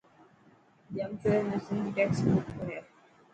ڄامشوري ۾ سنڌ ٽيڪسٽ بڪ هي.